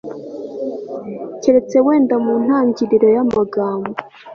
keretse wenda mu ntangiriro y'amagambo